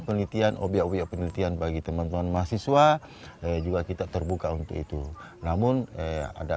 penelitian obyek obyek penelitian bagi teman teman mahasiswa juga kita terbuka untuk itu namun ada